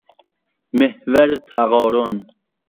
محور تقارن